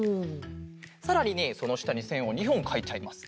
さらにねそのしたにせんを２ほんかいちゃいます。